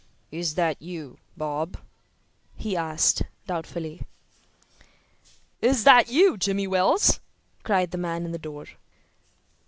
"Is that you, Bob?" he asked, doubtfully. "Is that you, Jimmy Wells?" cried the man in the door.